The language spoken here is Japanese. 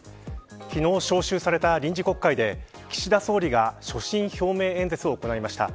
昨日召集された臨時国会で岸田総理が所信表明演説を行いました。